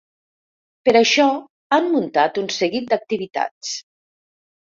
Per això, han muntat un seguit d’activitats.